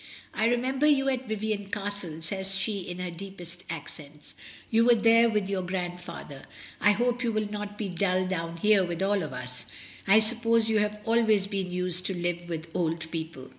"I remember you at Vivian Castle," says she in her deepest accents, "you were there with your grandfather. I hope you will not be dull down here with all of us. I suppose you have always been used to live with old people?"